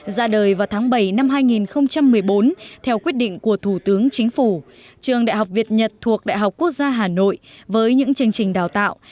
ra đời vào tháng bảy năm hai nghìn một mươi bốn theo quyết định của thủ tướng chính phủ trường đại học việt nhật thuộc đại học quốc gia hà nội với những chương trình đào tạo